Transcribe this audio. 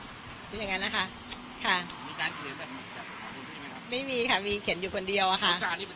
หรือยังไงนะคะค่ะมีจานคือแบบไม่มีค่ะมีเขียนอยู่คนเดียวอะค่ะ